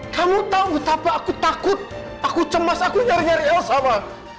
kamu tahu betapa aku takut aku cemas aku nyari nyari hal apa